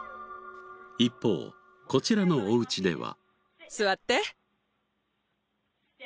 一方こちらのおうちでは。